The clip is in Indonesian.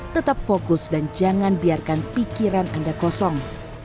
tetap fokus dan jangan biarkan pikiran anda kosong